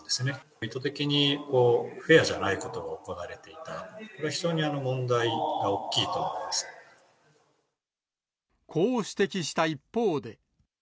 意図的にフェアじゃないことが行われていた、非常に問題が大きいこう指摘した一方で。